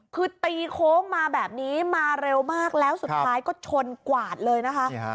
คือตีโค้งมาแบบนี้มาเร็วมากแล้วสุดท้ายก็ชนกวาดเลยนะคะ